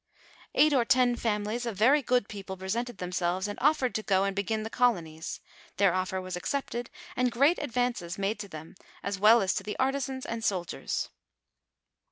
Eight or ten families of very good people presented themselves, and ofltered to go and begin the colonies. Their offer was ac cepted, and great advances made to them as well as to the artisans and soldiers.